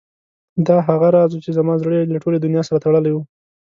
دا هغه راز و چې زما زړه یې له ټولې دنیا سره تړلی و.